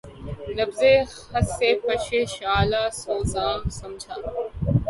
نبضِ خس سے تپشِ شعلہٴ سوزاں سمجھا